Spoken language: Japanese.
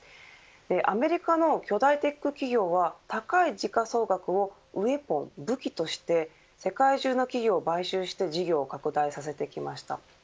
アメリカの巨大テック企業は高い時価総額をウエポン、武器として世界中の企業を買収して事業を拡大させてきました。